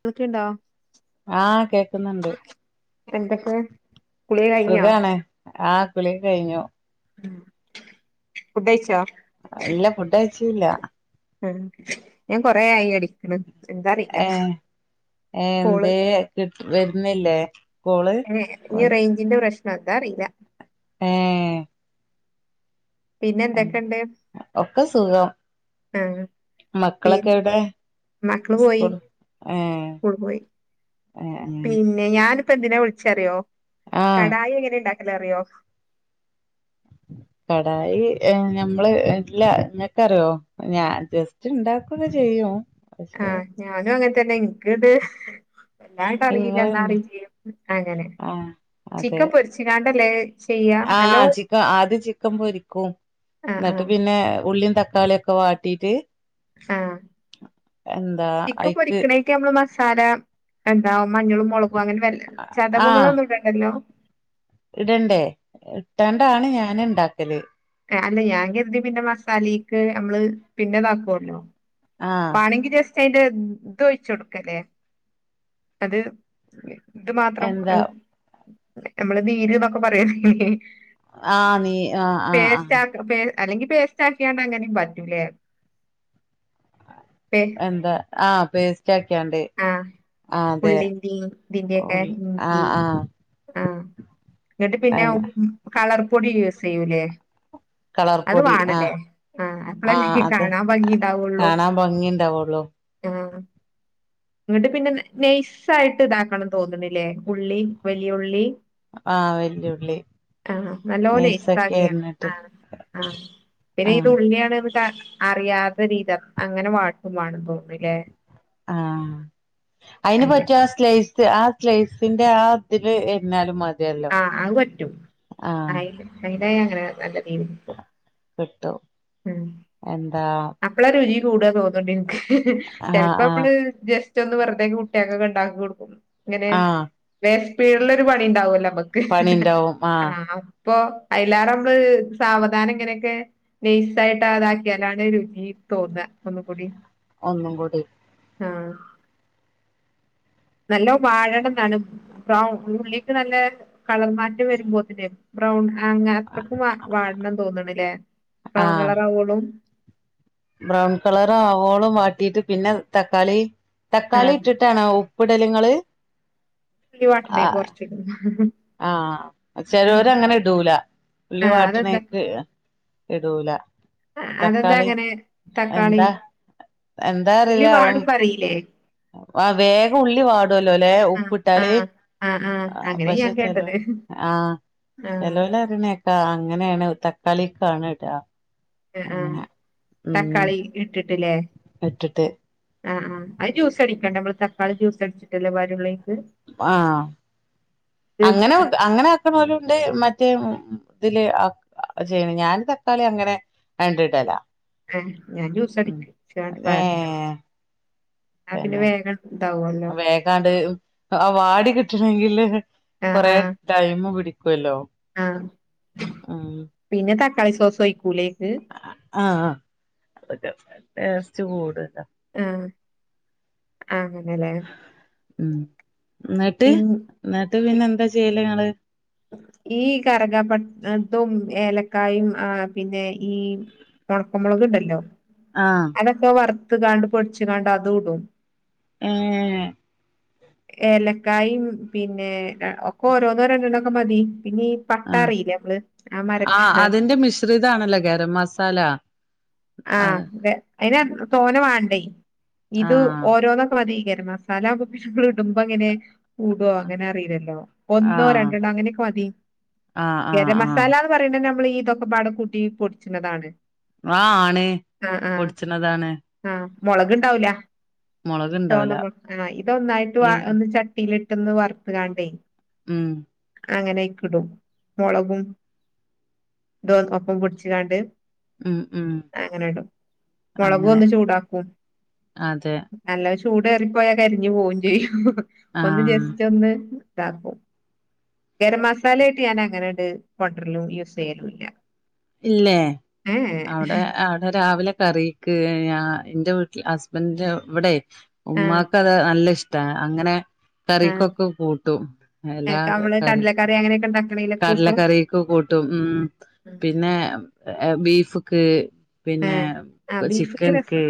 കേൾക്കുന്നുണ്ടാ ആഹ് കേക്കുന്നുണ്ട് എന്തൊക്കെ കുളി കഴിഞ്ഞോ സുഖാണ് ആ കുളിയൊക്കെ കഴിഞ്ഞു ഫുഡ് കഴിച്ചോ ഇല്ല ഫുഡ് കഴിച്ചില്ല ആ ഞാൻ കൊറെ ആയി അടിക്കണ് എന്തറിയില്ല ഏ എന്ത് കി വരുന്നില്ലേ കോള് ന്താറീല്ല ആഹ പിന്നെ എന്തൊക്കെണ്ട് [unintelligible] ആഹ് പി മക്കളൊക് മക്കള് പോയി സ്കൂൾ ഏ പിൻ ല്ല അറിയോ ആഹ് കടായി ഞമ്മള് ഇല്ല ക്ക അറിയോ ഞാ ജസ്റ്റ് ഉണ്ടാക്ക ചെയ്യും ആ പക്ഷെ ഞാനും അങ്ങൻ തന്നെ ഇൻക്ക്ത് വെല്ലായിട്ട് അറിയില്ല ഇങ്ങള് ന്നാ ഇണ്ട അറി ചെയ്യും അങ്ങനെ ആഹ് അതെ ചിക്കൻ പൊരിച്ച്കാണ്ടല്ലേ ചെയ്യാ നല്ലോ ആഹ് ചിക്ക ആദ്യ ചിക്കൻ പൊരിക്കും ആഹ് ന്നിട്ട് ആഹ് പിന്നെ ഉള്ളിയും തക്കാളി ഒക്കെ വാട്ടീട്ട് ആഹ് ചിക്ക അയ്ക്ക് പൊരിക്കണേക് നമ്മള് മ സാര എന്താ മഞ്ഞളും മുളകും അങ്ങനെ വല്ല ആഹ് ചതവുകളൊന്നും ഇടണ്ടല്ലോ ഇടണ്ടേ ഇട്ടാണ്ടാണ് ഞൻ ണ്ടാക്കല് അല്ല ഞാൻ കരുതി പിന്നെ മസാലയൊക്കെ നമ്മള് പിന്നെതാക്കുവല്ലോ ആഹ് പാണങ്കി ജസ് അയിന്റെ ധോയിച് ടുക്കല്ലേ അത് ത് മാത്രം എന്താ നമ്മള് നീര് ന്നൊക്കെ പറയുന്ന ആഹ് നീ ആഹ് ആഹ് ആഹ് പേസ്റ്റാത്രം പേസ് അല്ലെങ്കി പേസ്റ്റ ആാക്കിയണ്ട് അങ്ങനെയും പറ്റൂലേ പേ എന്താ ആഹ് പേസ്റ്റാക്ക്യാണ്ട് ആഹ് ആഹ് അതെ ഉള്ളിന്റെയും ഓ ഇതിന്റെയൊക്കെ ആ ആ ന്നിട്ട് പിന്നെ ഉം ഉം കളർപ്പൊടി യൂസ് ചെയ്യൂലേ അത് കളർപ്പൊടി വേണല്ലേ ആഹ് ആ ആഹ് അപ്പളല്ലേ അത് കാണാൻ ഭംഗിണ്ടാവുള്ളൂ കാണാൻ ഭംഗി ഉണ്ടാവുള്ളൂ ആഹ് ഇങ്ങട്ട് പിന്നെ നെയസായിട്ട് ഇതാക്കണം തോന്ന്ണ്ല്ലേ ഉള്ളി വലിയ ഉുള്ളി ആഹ് വല്ലയുള്ളി ആഹ് നല്ലോെനേയ്സാക്കിയ ആ ആ് പിന്നെ ഇത് ആഹ് ഉള്ളിയണ ട്ട അറിയാത്ത രീതി അങ്ങനെ വാട്ടും വേണം തോന്നില്ലേ ആഹ് അയിന് പറ്റു ആ സ്ലൈസ് ആ സ്ലൈസിന്റെ ആ അതില് എര്ഞാലും മതി ആഹ് അഹ് പറ്റും അയിൽ അയിലെ അങ്ങനെ നല്ല രീതിക്കും കിട്ടു ഉം എന്താ അപ്പളാ രുചി കൂട തോന്ന്ണ്ട് ഇൻക്ക് ആഹ് ചിലപ്പോ ആഹ് അപ്പള് ജസ് ചൊന്ന് വെറുതേക്ക് കുട്ടികൊക്കെ ഉണ്ടാക്കി കൊടുക്കും ഇങ്ങനെ ആഹ് വേസ്പീട്ലൊരു പണി ണ്ടാവുല്ലോ നമക്ക് ആഹ് ഇപ്പൊ അയ്ലേറമ്മള് സാവധാനങ്ങനെക്കെ നെയ്സായിട്ട് അതാക്കിയാലാണ് ഈ തോന്ന ഒന്നും കൂടി ഒന്നും കൂടി ആഹ് നല്ലൊം വാഴണം ന്നാണ് ബ്റൗ ഉള്ളിക്കൊ നല്ല കളർമാറ്റം വരുമ്പോത്തിന് ബ്രൗൺ അങ അത്രക്കുംവാ വാട്ണം തോന്ന്ണ്ലെ ബ്രൗൺ ആഹ് കളറാവോളും ബ്രൗൺ കളറാവോളം വാട്ടീട്ട് പിന്നെ തക്കാളി തക്കാളി ആഹ് ഇട്ടിട്ടാണ് ഉ പ്പിടലങ്ങള് ഉള്ളി വാട്ട്ണീക് കൊർച്ച്ടും ആഹ് ചലോരങ്ങനെ ഇടൂല ഉള്ളി ആഹ് അതെന്താ വാട്ട്ണീക്ക് ഇടൂല അതെന്താ തക്കാളി അങ്ങനെ തക്കാളീം എന്താ എന്താ അറീല്ല അവും ആഹ് വേഗം ഉള്ളി വാടൊല്ലൊലെ ആഹ് ഉപ്പ്ട്ടാല് ആഹ് ആഹ് ആഹ് അ അങ്ങനെ ഞാൻ പഷെ ചലോ കേട്ടത് ആഹ് ആഹ് ചെലോലറീണേക്ക അങ്ങനേണ് തക് കളികാണ് ട ആഹ് അങ്ങനെ ഉം തക്കാളി ഇട്ടിട്ടില്ലേ ഇട്ട്ട്ട് ആഹ് ആഹ് അത് ജ്യൂസടിക്കണ്ടെ അമ്മള് തക്കാളി ജ്യൂസ്സടിച്ചിട്ടല്ലെ പാരൊള്ളൊയിലിക്ക് ആഹ് അങ്ങനെ [unintelligible] അങ്ങനെ ആക്കണോലും ഉണ്ട് മറ്റേ [unintelligible] തില് ആ ചെയ്യ്ണ ഞാന് തക്കാളി അങ്ങനെ ആണ്ട്ടലാ ആഹ് ഞാൻ ജ്യൂസ്സടിക്കും [unintelligible] ഏഹ് ആ പിന്നെ വേകം വേകാണ്ട് അത് വാടി കിട്ടണേങ്കില് ആഹ് കൊറേ ആഹ് ടൈമ് പിടിക്ക് ആഹ് ആഹ് പിന്നെ തക്കാളി ശോസൊയ്ക്ക് ആഹ് ആഹ് അതൊക്കെ ടേസ്റ്റ് കൂടാ ആഹ് ആഹ് അങ്ങനെലെ ഉം ഇന്ന്ട്ട് ഇന്ന്ട്ട് പിന്നെന്താ ചിയ്യല് ങ്ങള് ഈ കരകാപട്ട് തും ഏലക്കായും ആഹ് പിന്നെ ഈ ഒണക്ക മൊളക്ണ്ടല്ലോ ആഹ് അതൊക്കെ വറുത്ത്കാണ്ട് പൊടിച്ച്കാണ്ട് അതു ഇടും ഏഹ് ഏലക്കായും പിന്നേ ഒക്കെ ഓരോന്നോ രണ്ടെണ്ണൊക്കെ മതി പിന്നെ ഈ ആഹ് പട്ടാറീലെ മ്മള് ആ ആഹ് മരക്കഷ് അതിന്റെ മിശ്രിതാണല്ലോ ഗരം മസാല ആഹ് അതെ അയിന് തോനെ വാണ്ടെ ഇത് ആഹ് ഓരോന്നൊക്കെ മതി ഖരം മസാലാവുമ്പോ പിന്നെ ഇമ്മള് ഇടുമ്പെങ്ങനെ കൂടുവോ ആഹ് അങ്ങനെ അറീലല്ലോ ഒന്നോ ആഹ് രണ്ടെണ്ണൊ അങ്ങനൊക്കെ മതി ആഹ് ആഹ് ഖരം ആഹ് മസാലാന്ന് പറീണ ഞമ്മള് ഇതൊക്കെപ്പാടെ കൂട്ടി പൊട്ച്ച്ണതാണ് ആഹ് ആണ് പൊടിച്ച്ണ്താണ് ആഹ് മൊളക്ണ്ടാവൂല ചോന്ന മുളക്ണ്ടാവൂല മൊള ആഹ് ഇതൊന്നായിട്ട് ഈ വാ ഒന്ന് ചട്ടീലിട്ടൊന്ന് വറുത്ത്ങ്ങാണ്ടെ ഉം അങ്ങനയ്ക്കിടും മൊളകും ഇതും ഒപ്പം പൊട്ച്ച്ങ്ങാണ്ട് ഉം ഉം അങ്ങന്ടും അങ്ങനെ മൊളകൊന്ന് ചൂടാക്കും അതെ നല്ല ചൂടേറിപ്പോയാ കരിഞ്ഞ് പോവും ചെയ്യും ഒന്ന് ആഹ് ജസ്റ്റൊന്ന് ഇതാക്കും ഖരം മസാലയായിട്ട് ഞാനങ്ങനെയാട് കൊണ്ടരെലും യൂസെയ്യലൂല്ല ഇല്ലേ അവ്ടെ അവ്ടെ രാവിലെ കറീക്ക് ഞാ ഇന്റെ വീട്ട്ല് ഹസ്ബന്റ് ഇവടെ ആഹ് ഉമ്മാക്കത് നല്ല ഇഷ്ടാ അങ്ങനെ ആഹ് കറീകൊക്കെ കൂട്ടും [unintelligible] എല്ലാ നമ്മള് കറി കടലക്കറി അങ്ങനെയൊക്കെ ഉണ്ടാക്കണേല് കൂട്ടും കടലക്കറീക്ക് കൂട്ടും ഉം പിന്നേ ബീഫ്ക്ക് പിന്നെ ഏഹ് ആഹ് ബീഫ്ക്ക് രസ ചിക്കൻക്ക്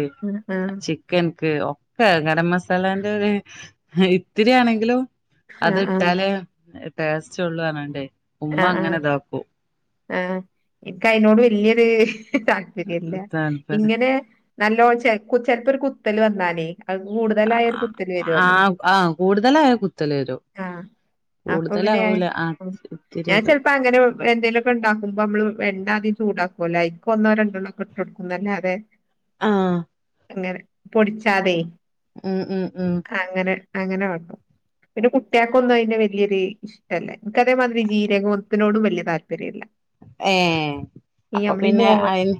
ആഹ് ചിക്കൻക്ക് ഒക്കെ ഗരം മസാ മസാല്ലേൻ്റെ ഒരു ഇത്തിരിയാണെങ്കിലും ആഹ് അത് ആഹ് ആഹ് ഇട്ടാലെ എ ടേസ്റ്റ് ഉള്ളു പറഞ്ഞുങ്ങാണ്ടെ ഉമ്മ ആഹ് അങ്ങനെ ഇതാക്കും എൻക്ക് അതിനോട് വെല്യൊരു താല്പര്യല്ല താല്പര്യം ഇങ്ങനെ നല്ലോ ചെ ചെലപ്പോ ഒരു കുത്തല് വന്നാലേ അത് കൂടുതലായാൽ ഒരു കുത്തല് ആ വരുവല്ലോ ആ കൂടുതലായ കുത്തല് വരും ആഹ് അപ്പൊ പിന്നെ കൂടുതലാവൂല ആ ഇത്തിരി ഞാൻ ഇടും ചെലപ്പോ അങ്ങനെ എന്തെങ്കലുമൊക്കെ ഉണ്ടാക്കുമ്പോ നമ്മള് വേണ്ട ആദ്യം ചൂടാക്കുവല്ലോ അയിക്ക് ഒന്നോ രണ്ടെണ്ണക്കെ ഇട്ട് കൊടുക്കുന്നല്ലാതെ ആഹ് അങ്ങനെ പൊടിച്ചാതെ ഉം ഉം ഉം അങ്ങനെ അങ്ങനെ വെക്കും പിന്നെ കുട്ടിയേക്കൊന്നും അതിൻ്റെ വലിയൊരു ഇഷ്ടല്ലേ ഇൻക്ക് അതേമാതിരി ജീരകത്തിനോടും വലിയ താല്പര്യമില്ല ഏ അപ്പൊ പിന്നെ അയിന്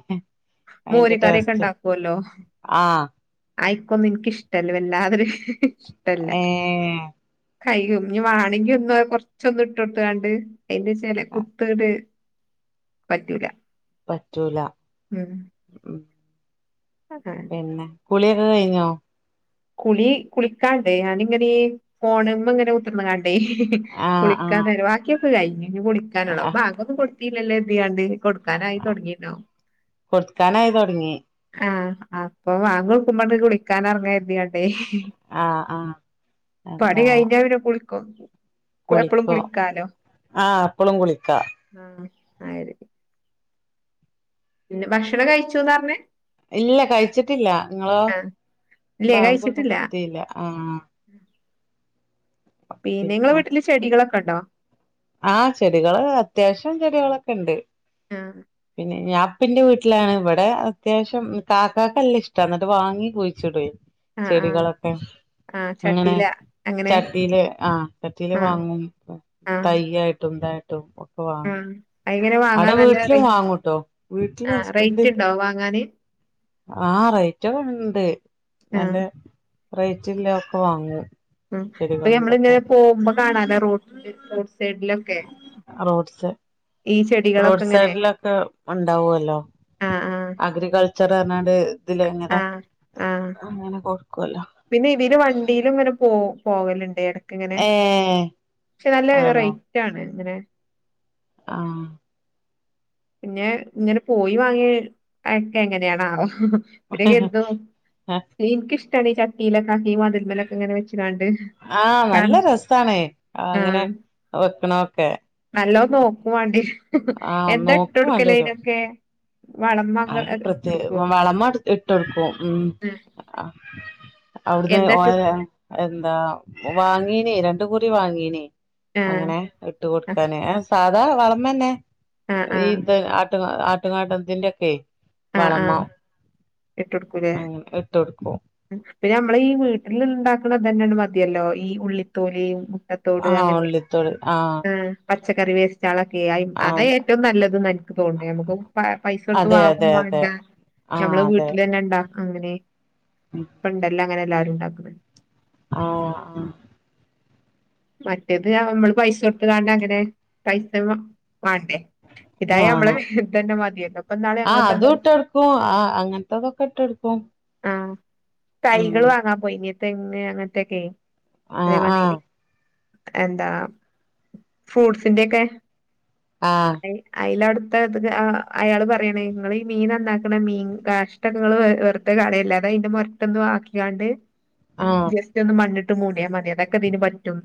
മോരി അയിന്റെ കറിയൊക്കെ ടേസ്റ്റ് ഇണ്ടാക്കുവല്ലോ ആഹ് ആയിക്കൊന്നും എനിക്കിഷ്ടല്ല വല്ലാതരും ഇഷ്ടല്ല ഏ കൈയ്യും ഇനി വാണെങ്കി ഒന്ന് കൊറച്ചൊന്ന് ഇട്ട് ത്തണ്ട് അതിന്റെ ചില കുത്തട് പറ്റൂല പറ്റൂല ഉം ഉം ആ പിന്നെ കുളിയൊക്കെ കഴിഞ്ഞോ കുളി കുളിക്കാണ്ടേ ഞാന ഇങ്ങനെ ഫോണ അങ്ങനെ ഉത്തിർന്ന കാ ആഹ് കുളിക്കൻ ആഹ് ത ബാക്കിക്ക കഴിഞ്ഞഞ്ഞ് കുളിക്കാനുള്ള ആ ബാഗൊ പല്ല എന്തണ്ട് കൊടുക്കാനായി തുടങ്ങീട്ടോ കൊടുക്കാനയ് തുടങ്ങി ആഹ് അപ്പൊ വാങ്ങക്കുമ്പോ വിളിക്കാൻ ഇറങ്ങാുന്നട്ടേ ആഹ് ആഹ് പനി എന്താ കഴിഞ്ഞ പിന കുളിക്കോ എപ്പഴും കുളിക്കോ കുളിക്കാലോ ആഹ് അപ്പളും കുളിക്കാ ആഹ് ആ പിന്നെ ഭക്ഷണം കഴിച്ചുന്ന് പറഞ്ഞേ ഇല്ല കഴിച്ചിട്ടില്ല നിങ്ങളോ? ആഹ് ഇല്ലേ ഭാങ്ങൊന്നും കഴിച്ചിട്ടില്ല കൊടുതില്ല ആഹ് പിന്നെ നിങ്ങളെ വീട്ടില് ചെടികളൊക്കെ ഉണ്ടോ ആ ചെടികള് അത്യാവശ്യം ചെടികളൊക്കെ ഉണ്ട് ആഹ് ഞാൻ അപ്പിന്റെ വീട്ടിലാണ് ഇവിടെ അത്യാവശ്യം കാക്കക്ക്ല്ലാം ഇഷ്ട എന്നിട്ട് വാങ്ങി കുഴിച്ചിടു ആഹ് ആഹ് ചെടികളൊക്കെ ആഹ് അങ്ങനെ ചട്ടീല അങ്ങനെ ചട്ടിയില് ആഹ ചട്ടിയില് ആഹ് വാങ്ങും ആഹ് തയ്യയിട്ടും ഇതായിട്ടും ഒക്കെ വാങ്ങ ആഹ് അയിങ്ങനെ അവിടെ വാങ്ങാൻ നല്ല വീട്ടിലും റേറ്റ് വാങ്ങൂട്ടോ വീട്ടില് ആഹ് ഹസ്ബൻഡ് റേറ്റ് ഉണ്ടോ വാങ്ങാന് ആഹ റേറ്റൊക്കെണ്ട് നല്ല ആഹ് റേറ്റല്ല ഒക്കെ വാങ്ങും ഉ ഇപ്പൊ ചെടികളും ഇതൊക്കെ ഞമ്മളിങ്ങനെ പോകുമ്പോ കാണാല റോഡ റോഡ് സൈഡിലൊക്കെ റോഡ് സൈ ഈ ചെടികളൊക്കെ റോഡ് ഇങ്ങനെ സൈഡിലൊക്കെ ഉണ്ടാവല്ലോ ആഹ് ആഹ് അഗ്രികൾച്ചർട്ഇതില എങ്ങനെ ആഹ് ആഹ് അങ്ങന പിന്നെ ഇവല് വണ്ടിയിലും ഇങ്ങനെ പോ പോകലുണ്ട ഇട ങ്ങനെ ഏഹ് പക്ഷെ നല്ല ആണോ റൈറ്റ് ആണ് ഇങ്ങനെ ആഹ് പിന്നെ ഇങ്ങനെ പോയി വാങ്ങിയ ഒക്കെ എങ്ങനെയാണ ആവോ ഇവിടെ കരുത എനിക്കിഷ്ടാണ് ഈ ചട്ടിയിലക്കാക്കി മതിൽമലൊക്കെ ഇങ്ങനെ വെച്ച ആഹ നല്ല രസണേ ആ അങ്ങനെ ആഹ് വെക്കണൊക്കെ നോക്കുവാണ്ടീ ആഹ് എന്താ ഇട്ട് എടുക്കല ഇനൊക്കെ അ പ്രത്യേക വളമ ഇട്ടെടുക്കും ആ ഉ അവിടുന്ന് ഓ എന്താട്ട് എന്താ വാങ്ങീനേ രണ്ട കുറി വാങ്ങീനേ ആഹ് അങ്ങനെ ഇട്ട് കൊടുക്കാന് ആ സാധാ വളർന്നന്നെ ആഹ് ആഹ് ഇത്. ആട്ടു ആട്ടുകാട്ടത്തിന്റൊക്കെ വളമാ ഇട്ടോടുകൂലെ ഇപ്പൊ ഞമ്മള് ഈ വീട്ടിലിണ്ടാക്കണിതന്നേണ്ട് മതിയല്ലോ ഈ ഉള്ളിത്തോലിയും. ത്തോട് ആഹ് അങ്ങനെ ഉള്ളിത്തോട് ആഹ് ഉം പച്ചക്കറി വേസ്റ്റാളൊക്കെ അതാ ആഹ് ഏറ്റവും നല്ലതന്നാ എനിക്ക് തോന്നിയ നമുക്ക് പൈസ കൊടുത്ത് അതെ വാ ങ്ങു അതെ അതെ വാണ്ട ആഹ് ഞമ്മളെ അതെ വീട്ടില് തന്നെ ഇണ്ടാ അങ്ങനെ പണ്ടെല്ലാം അങ്ങനെ എല്ലാവരും ഇണ്ടാക്കുന്നെ ആഹ് ആഹ് മറ്റേത് നമ്മള് പൈസ കൊടുത്തുകാണ്ട അങ്ങനെ പൈസ [unintelligible] വാണ്ടെ ഇതായ മ്മളെ വീട്ടിൽ തന്നെ മതിയല്ലോ. ഇപ്പൊ ഇന്നാള് ആ ഞങ്ങളിപ്പോ അതും എന്താ ഇട്ടോടുക്കും ആ അങ്ങനത്തെതൊക്കെ ഇട്ടൊടുക്കും. ആഹ് ഉം തൈകള് വാങ്ങാൻ പോയിനി തെങ്ങ് അങ്ങനത്തൊക്കെ ആഹ് അതേമാതിരി ആഹ് എന്താ ഫ്രൂട്ട്സിന്റെ ഒക്കെ ആഹ് ഐ ഐലാടു [unintelligible] [unintelligible] ആ അയാള് പറയണെ നിങ്ങള് ഈ മീൻ നന്നാക്കണ മീൻ കാഷ്ട്ടങ്ങള് വെറുതെ കളയല്ലെ അത അതിന്റെ മൊരട്ടൊന്നു വാക്കിയാണ്ട് ആഹ് ജസ്റ്റ് ഒന്ന് മണ്ണിട്ട് മൂടിയ മതി അതൊക്കെ ഇതിന് പറ്റും.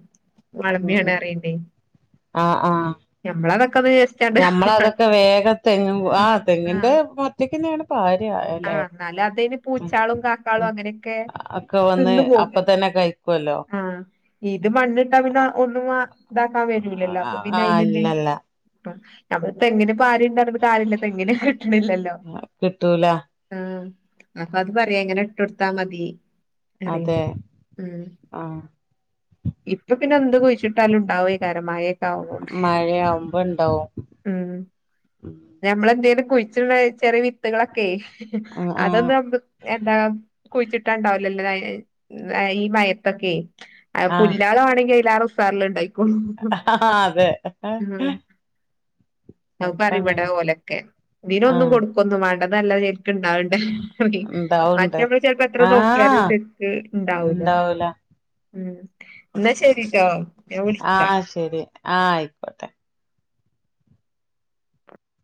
ഉം വളമിയാണ് ഉം അറിയണ്ടേ ഞമ്മളതൊക്കെ ഒന്ന് ജസ്റ്റാണ്ട് ഞമ്മളതൊക്കെ വേഗ തെങ്ങ് ആ തെങ്ങിന്റെ മറ്റെയ്‌ക്കെന്നാണ് പായ ആ എന്നാല് അതിന് പൂച്ചാളും കാക്കാളും അങ്ങനെയൊക്കെ ഒക്കെ വന്ന് തിന്നുപോകെ അപ്പ തന്നെ കഴിക്കുവല്ലോ ആ ഇത് മണ്ണിട്ടാ പിന്നെ ഒന്നും വാ അ ഇതാക്കാൻ വരൂലല്ലോ അപ്പോപ്പിന്നെ ആഹ് ആയിനെന്തേ ഇല്ലല്ല ഞമ്മള് തെങ്ങിന് ഭാര്യ ഇണ്ട് പറഞ്ഞോന്നു കാര്യല്ല്യ തെങ്ങിന് കിട്ടണില്ലല്ലോ കിട്ടൂല ആ അപ്പൊ അത് പറയാ ഇങ്ങനെ ഇട്ടോട്ത്താ മതി അതെ അറിയണ്ടേ ഉം ആഹ് ഇപ്പൊ പിന്നെ അതിന്റെ കുഴിച്ചിട്ടാലുണ്ടാവെക്കാരം മഴയൊക്കെ ആവുന്നോണ്ട് മഴയാവുമ്പോ ഇണ്ടാവും ഉം ഞമ്മളെന്തേയ്യണ് കുഴിച്ചുള്ള ചെറിയ വിത്തുകളൊക്കെ ഉം ആഹ് അതൊന്ന് എന്താ കുഴിച്ചിട്ടാണ്ടാവല്ലല്ലോലെ ഈ മഴെത്തൊക്കെ ആയ് ആഹ് പുല്ലാള് ആണെങ്കിൽ അതിലേറെ ഉഷാറില് ഇണ്ടായി ഉം-ഉം അതെ ഞാൻ ചെലപ്പ പറയു ഇവിടെ അങ്ങനെ ഓലൊക്കെ ഇതിന് ഒന്നും ആഹ് കൊടുക്കൊന്നും വേണ്ട ഇത് നല്ല ശെരിക്കും ഇണ്ടാവണ്ടേ ഓക്കേ ഇണ്ടാവുണ്ട് മറ്റേമ്മള് ചെലപ്പോ എത്ര നോക്കിയാലും ആഹ് തെറ്റ്ണ്ടാവൂല. ഇണ്ടാവൂല എന്നാ ശെരിട്ടോ ഞാൻ വിളിക്കാം ആഹ് ശരി ആഹ് ആയിക്കോട്ടെ